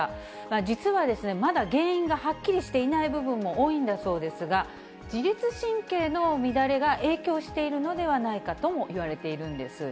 実はですね、まだ原因がはっきりしていない部分も多いんだそうですが、自律神経の乱れが影響しているのではないかともいわれているんです。